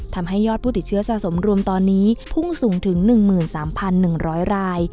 ทำให้ยอดผู้ติดเชื้อสะสมรวมตอนนี้พุ่งสูงถึง๑๓๑๐๐ราย